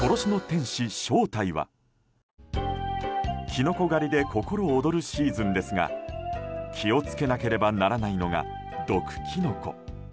キノコ狩りで心躍るシーズンですが気を付けなければならないのが毒キノコ。